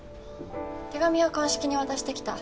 手紙は鑑識に渡してきた。